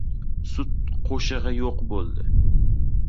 Sut qo‘shig‘i yo‘q bo‘ldi!